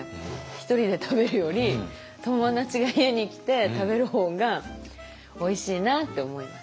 一人で食べるより友達が家に来て食べる方がおいしいなって思います。